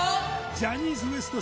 ジャニーズＷＥＳＴ